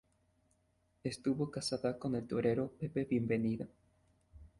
Estuvo casada con el torero Pepe Bienvenida.